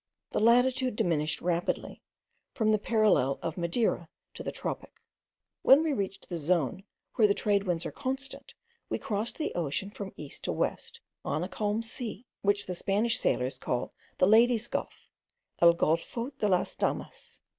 The latitude diminished rapidly, from the parallel of Madeira to the tropic. When we reached the zone where the trade winds are constant, we crossed the ocean from east to west, on a calm sea, which the Spanish sailors call the Ladies' Gulf, el Golfo de las Damas.